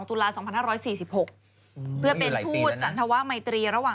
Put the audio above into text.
แต่เขาบอกว่า